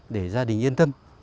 để gia đình yên tâm